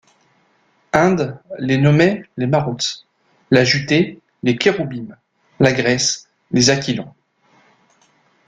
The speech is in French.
Inde les nommait les Marouts, la Judée les Kéroubims, la Grèce les Aquilons.